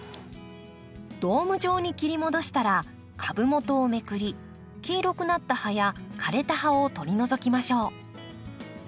ドーム状に切り戻したら株元をめくり黄色くなった葉や枯れた葉を取り除きましょう。